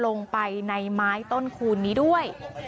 ลงไปในไม้ต้นคูณนี้ด้วย